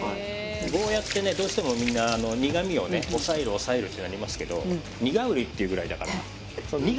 ゴーヤってねどうしてもみんな苦味をね抑える抑えるってなりますけどニガウリっていうぐらいだから苦さもおいしいわけだよね。